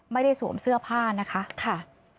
ไม่ได้สวมเสื้อผ้านะคะ